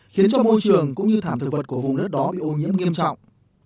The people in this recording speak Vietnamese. khiến cho môi trường cũng như thảm thực vật của vùng đất đó bị ô nhiễm nghiêm trọng